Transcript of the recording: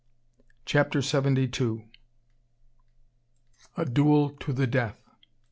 CHAPTER SEVENTY TWO. A DUEL TO THE DEATH.